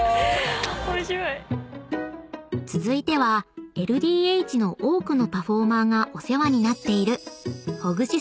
［続いてはＬＤＨの多くのパフォーマーがお世話になっている］